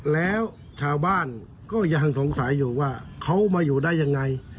แล้วชาวบ้านก็ยังสงสัยอยู่ว่าเขามาอยู่ได้ยังไง